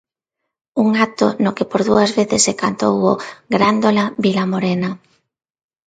Un acto no que por dúas veces se cantou o "Grándola, vila morena".